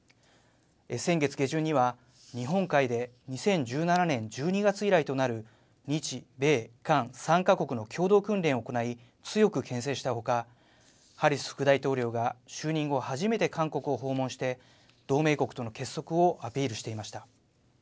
先月下旬には日本海で２０１７年１２月以来となる日米韓３か国の共同訓練を行い強くけん制したほか、ハリス副大統領が就任後、初めて韓国を訪問して同盟国との結束をアピールしていました。